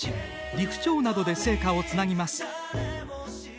利府町などで聖火をつなぎます。